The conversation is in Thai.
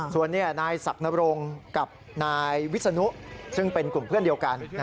ส่วนนายศักดิ์นบรงกับนายวิศนุซึ่งเป็นกลุ่มเพื่อนเดียวกัน